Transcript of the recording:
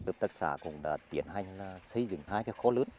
hợp tạc xã cũng đã tiến hành xây dựng hai cái kho lớn